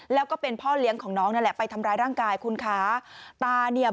แล้วก็เป็นพ่อเลี้ยงของน้องไปทำร้ายร่างกายคุณค้า